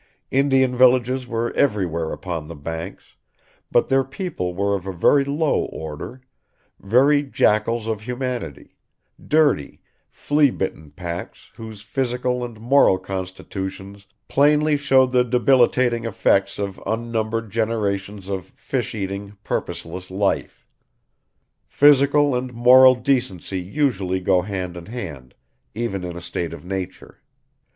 Indian villages were everywhere upon the banks; but their people were of a very low order, very jackals of humanity; dirty, flea bitten packs, whose physical and moral constitutions plainly showed the debilitating effects of unnumbered generations of fish eating, purposeless life. Physical and moral decency usually go hand in hand, even in a state of nature.